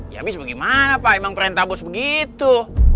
ya abis bagaimana pak emang perintah bos begitu